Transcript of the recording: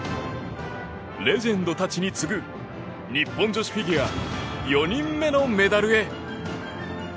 レジェンドたちに次ぐ日本女子フィギュア４人目のメダルへ。